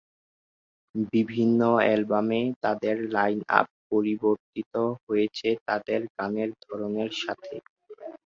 বিভিন্ন অ্যালবামে তাদের লাইন-আপ পরিবর্তিত হয়েছে তাদের গানের ধরনের সাথে।